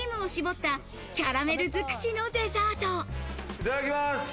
いただきます。